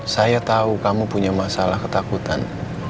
saya tahu kamu punya masalah ketakutan